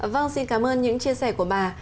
vâng xin cảm ơn những chia sẻ của bà